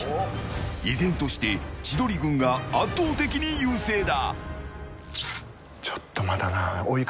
依然として千鳥軍が圧倒的に優勢だ。